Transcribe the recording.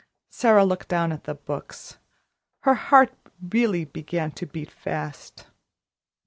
Sara looked down at the books; her heart really began to beat fast.